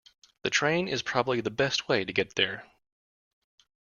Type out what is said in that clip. The train is probably the best way to get there.